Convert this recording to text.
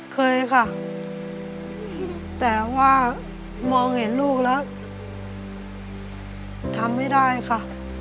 เคยค่ะแต่ว่ามองเห็นลูกแล้วทำไม่ได้ค่ะ